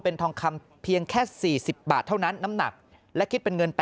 เป็นทองคำเพียงแค่๔๐บาทเท่านั้นน้ำหนักและคิดเป็นเงิน๘๐